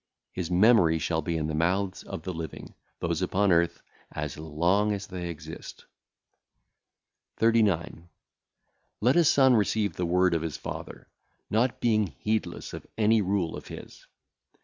His memory shall be in the mouths of the living, those upon earth, as long as they exist. 39. Let a son receive the word of his father, not being heedless of any rule of his.